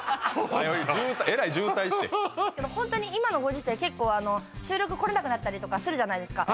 えらい渋滞してホントに今のご時世結構あの収録来れなくなったりとかするじゃないですか